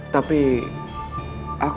tapi aku tidak